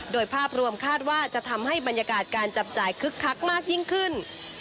โดยภาพรวมคาดว่าจะทำให้บรรยากาศการจับจ่ายคึกคักมากยิ่งขึ้น